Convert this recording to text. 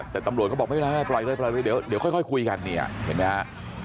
แต่ตำรวจก็บอกไม่เป็นไรปล่อยเลยปล่อยไปเดี๋ยวค่อยคุยกันเนี่ยเห็นไหมฮะ